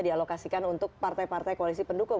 dialokasikan untuk partai partai koalisi pendukung